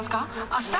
あした？